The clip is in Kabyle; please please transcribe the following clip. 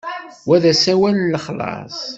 Wa d asawal n lexlaṣ.